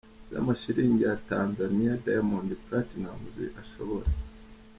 z'amashilingi ya Tanzaniya Diamond Platnumz ashobora